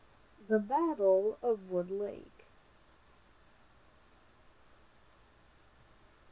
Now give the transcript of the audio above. THE BATTLE OF WOOD LAKE.